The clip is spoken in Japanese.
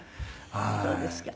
そうですか。